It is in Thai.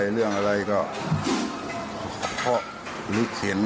เรื่องอะไรก็พ่อลึกเห็น